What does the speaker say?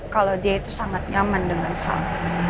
kalau dia itu sangat nyaman dengan sang